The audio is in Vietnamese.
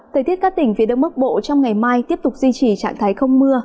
thời tiết các tỉnh phía đông bắc bộ trong ngày mai tiếp tục duy trì trạng thái không mưa